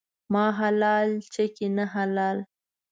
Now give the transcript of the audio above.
ما حلال ، چکي نه حلال.